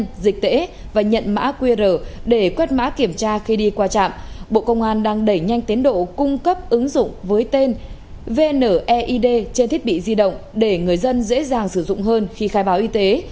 dịch tễ và nhận mã qr để quét mã kiểm tra khi đi qua trạm bộ công an đang đẩy nhanh tiến độ cung cấp ứng dụng với tên vneid trên thiết bị di động để người dân dễ dàng sử dụng hơn khi khai báo y tế